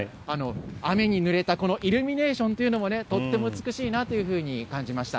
雨にぬれたこのイルミネーションというのもね、とっても美しいなというふうに感じました。